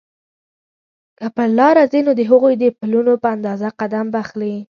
که پر لاره ځې نو د هغوی د پلونو په اندازه قدم به اخلې.